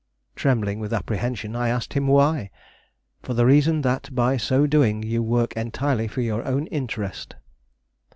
Trembling with apprehension, I asked him why. 'For the reason that by so doing you work entirely for your own interest.